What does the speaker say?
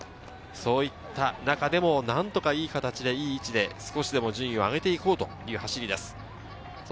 そういった中でもなんとかいい形でいい位置で少しでも順位を上げて行こうという走りです。